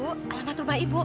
alamat rumah ibu